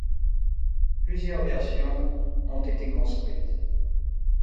Plusieurs versions ont été construites.